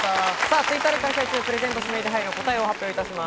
Ｔｗｉｔｔｅｒで開催中、プレゼント指名手配の答えを発表いたします。